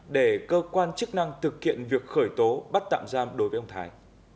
để cơ quan chức năng thực hiện việc khởi tố bắt tạm giam đối với ông thái